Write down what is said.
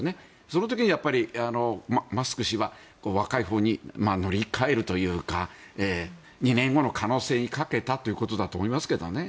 その時にマスク氏は若いほうに乗り換えるというか２年後の可能性にかけたということだと思いますけどね。